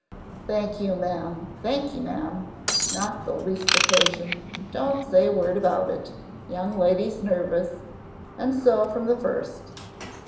"Thank you, ma'am thank ye, ma'am not the least occasion don't say a word about it Young lady's nervous, said so from the first.